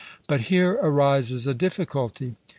But here arises a difficulty.